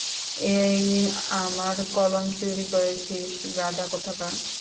এই আমার কলম চুরি করেছিস, গাধা কোথাকার?